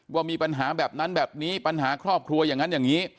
ว่ามีปัญหาแบบนั้นแบบนี้ปัญหาครอบครัวอย่างนั้นอย่างนี้